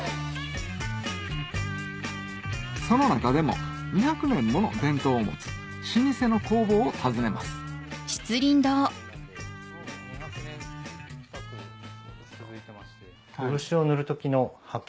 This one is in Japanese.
その中でも２００年もの伝統を持つ老舗の工房を訪ねますいや。